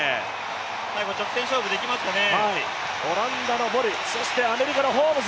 最後直線勝負いきますかね。